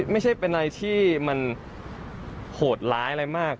ไม่ใช่เป็นอะไรที่มันโหดร้ายอะไรมาก